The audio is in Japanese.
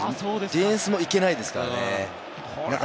ディフェンスもいけないですからね。